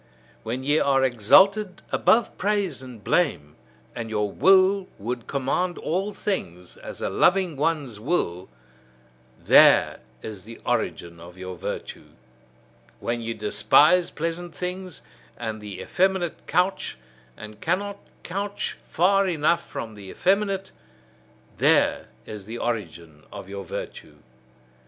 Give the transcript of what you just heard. When ye are exalted above praise and blame, and your will would command all things, as a loving one's will: there is the origin of your virtue. When ye despise pleasant things, and the effeminate couch, and cannot couch far enough from the effeminate: there is the origin of your virtue.